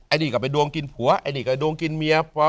อันนี้ก็ไปดวงกินผัวไอ้นี่ก็ดวงกินเมีย